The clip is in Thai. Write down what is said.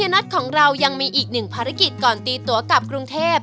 นัทของเรายังมีอีกหนึ่งภารกิจก่อนตีตัวกลับกรุงเทพ